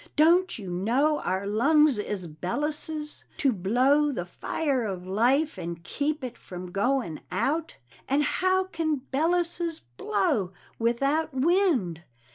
doant you know our lungs is belluses To blo the fier of life and keep it from Going out: und how can bellusses blo without wind?